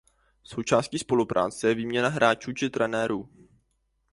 Součástí spolupráce je výměna hráčů či trenérů.